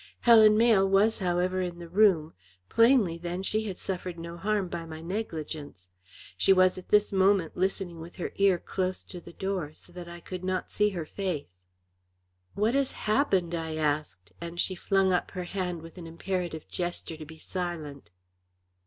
Helen Mayle was however in the room, plainly then she had suffered no harm by my negligence. She was at this moment listening with her ear close to the door, so that I could not see her face. "What has happened?" I asked, and she flung up her hand with an imperative gesture to be silent.